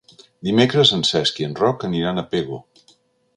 Dimecres en Cesc i en Roc aniran a Pego.